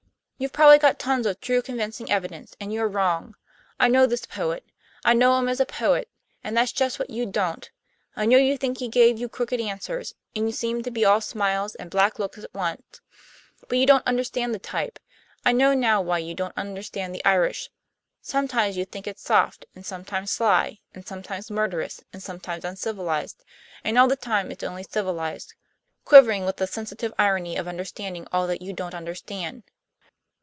You've probably got tons of true convincing evidence, and you're wrong. I know this poet; I know him as a poet; and that's just what you don't. I know you think he gave you crooked answers, and seemed to be all smiles and black looks at once; but you don't understand the type. I know now why you don't understand the Irish. Sometimes you think it's soft, and sometimes sly, and sometimes murderous, and sometimes uncivilized; and all the time it's only civilized; quivering with the sensitive irony of understanding all that you don't understand."